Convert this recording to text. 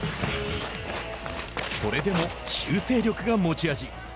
それでも修正力が持ち味。